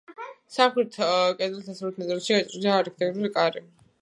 სამხრეთ კედლის დასავლეთ ნაწილში გაჭრილია არქიტრავული კარი.